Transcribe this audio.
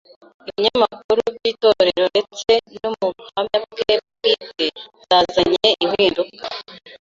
Ibinyamakuru by’itorero, ndetse no mu buhamya bwe bwite, zazanye impinduka